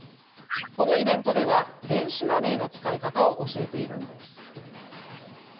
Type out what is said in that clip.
このイベントでは、電子マネーの使い方を教えているんです。